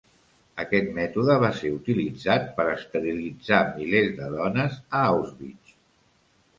Aquest mètode va ser utilitzat per esterilitzar milers de dones a Auschwitz.